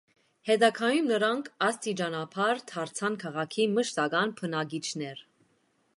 Հետագայում նրանք աստիճանաբար դարձան քաղաքի մշտական բնակիչներ։